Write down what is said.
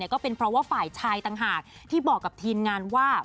ก็เป็นเพราะว่าฝ่ายชายต่างหากที่บอกกับทีมงานว่า